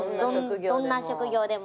どんな職業でも。